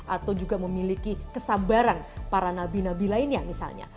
atau juga memiliki kesabaran para nabi nabi lainnya misalnya